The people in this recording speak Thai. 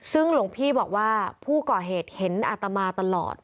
ซึ่งหลวงพี่บอกว่าผู้ก่อเหตุเห็นอาตมาตลอด